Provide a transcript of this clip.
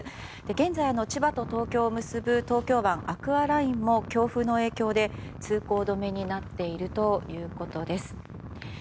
現在、千葉と東京を結ぶ東京湾アクアラインも強風の影響で通行止めになっているということです。